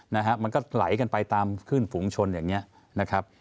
นะฮะมันก็ไหลกันไปตามขึ้นฝูงชนอย่างเงี้ยนะครับ